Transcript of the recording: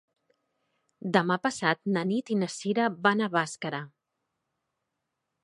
Demà passat na Nit i na Cira van a Bàscara.